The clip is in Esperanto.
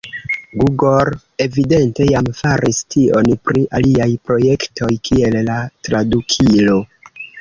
Google evidente jam faris tion pri aliaj projektoj, kiel la tradukilo.